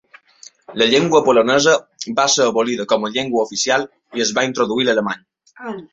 La llengua polonesa va ser abolida com a llengua oficial i es va introduir l'alemany.